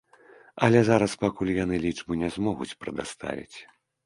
Але зараз пакуль яны лічбу не змогуць прадаставіць.